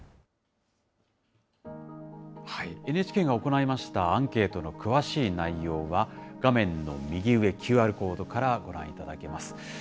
ＮＨＫが行いましたアンケートの詳しい内容は、画面の右上、ＱＲコードからご覧いただけます。